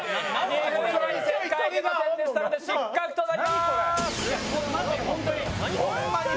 正解出ませんでしたので、失格となります。